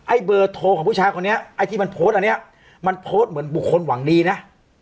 เบอร์โทรของผู้ชายคนนี้ไอ้ที่มันโพสต์อันนี้มันโพสต์เหมือนบุคคลหวังดีนะ